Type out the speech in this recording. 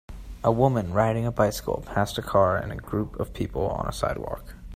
A woman riding a bicycle past a car and a group of people on a sidewalk.